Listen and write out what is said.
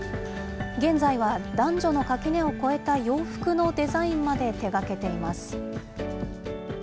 現在は、男女の垣根を越えた洋服のデザインまで手がけています。